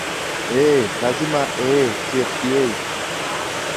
ee lazima ee tfda